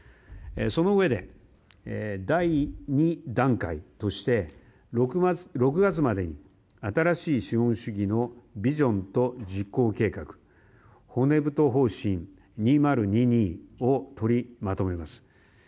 そのうえで、第２段階として６月までに新しい資本主義のビジョンと実行計画骨太方針２０２２をとりまとめます。